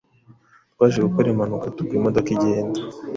twaje gukora impanuka tugwa imodoka igenda